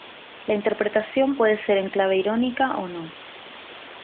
La interpretación puede ser en clave irónica o no.